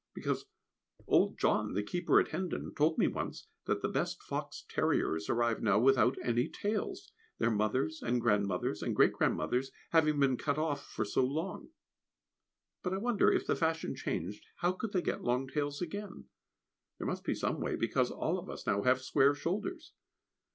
Because old John, the keeper at Hendon, told me once that the best fox terriers arrive now without any tails, their mothers' and grand mothers' and great grandmothers' having been cut off for so long; but I wonder, if the fashion changed, how could they get long tails again? There must be some way, because all of us now have square shoulders.